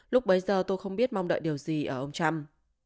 lúc bấy giờ tôi không biết mong đợi điều gì ở ông trump